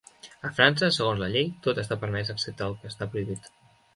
A França, segons la llei, tot està permès, excepte el que està prohibit.